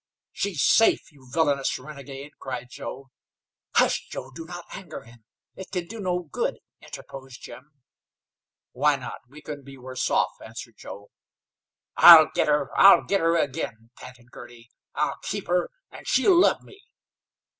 "She's safe, you villainous renegade!" cried Joe. "Hush, Joe! Do not anger him. It can do no good," interposed Jim. "Why not? We couldn't be worse off," answered Joe. "I'll git her, I'll git her agin," panted Girty. "I'll keep her, an' she'll love me."